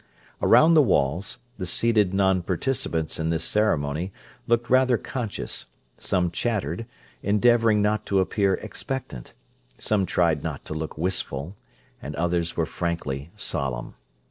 Around the walls, the seated non participants in this ceremony looked rather conscious; some chattered, endeavouring not to appear expectant; some tried not to look wistful; and others were frankly solemn.